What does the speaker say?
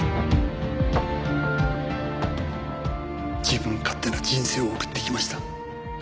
自分勝手な人生を送ってきました。